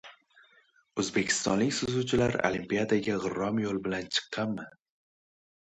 O‘zbekistonlik suzuvchilar olimpiadaga g‘irrom yo‘l bilan bilan chiqqanmi?